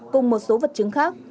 cùng một số vật chứng khác